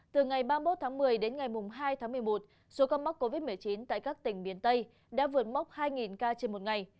từ ngày ba mươi một tháng một mươi đến ngày hai tháng một mươi một số ca mắc covid một mươi chín tại các tỉnh miền tây đã vượt mốc hai ca trên một ngày